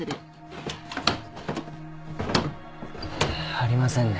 ありませんね。